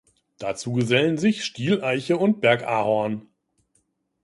Dazu gesellen sich Stieleiche und Bergahorn.